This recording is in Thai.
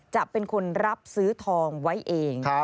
จะเป็นคนรับซื้อทองไว้เอง